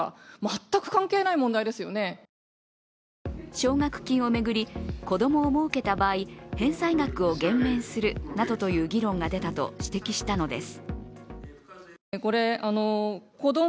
奨学金を巡り、子供をもうけた場合返済額を減免するなどという議論が出たと指摘したのです。